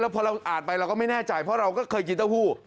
พอเราอ่านไปเราก็ไม่แน่ใจเพราะเราก็เคยกินเต้าหู้